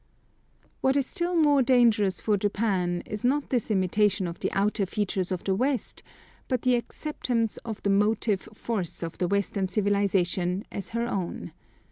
What is still more dangerous for Japan is, not this imitation of the outer features of the West, but the acceptance of the motive force of the Western civilisation as her own.